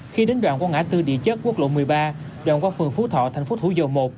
khi đến đoạn qua ngã tư địa chất quốc lộ một mươi ba đoạn qua phường phú thọ thành phố thủ dầu một